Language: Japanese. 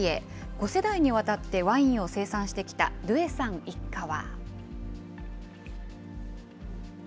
５世代にわたってワインを生産してきたドゥエさん一家は。